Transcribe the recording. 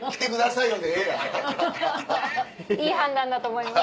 いい判断だと思います。